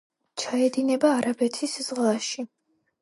ჩაედინება არაბეთის ზღვაში.